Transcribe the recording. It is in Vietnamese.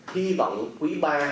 hy vọng quý ba